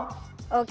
jujur saja mbak